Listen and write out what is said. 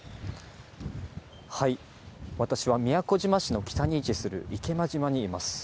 私は宮古島市の北に位置する池間島にいます。